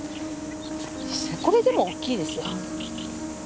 これでも大きいですよ。